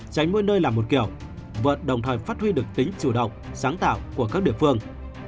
tránh nuôi nơi làm một kiểu vận đồng thời phát huy được tính chủ động sáng tạo của các địa phương